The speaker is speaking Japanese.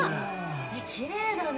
きれいだね。